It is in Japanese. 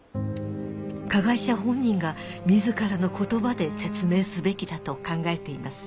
加害者本人が自らの言葉で説明すべきだと考えています